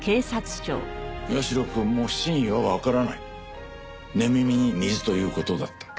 社くんも真意はわからない寝耳に水という事だった。